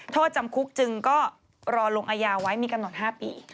โทษจำคุกจึงก็รอลงอายาไว้มีกำหนด๕ปี